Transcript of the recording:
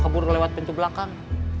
kabur lewat pintu belakang